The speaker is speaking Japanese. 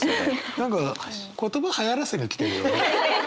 何か言葉はやらせに来てるよね？